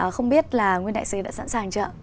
không biết là nguyên đại sứ đã sẵn sàng chợ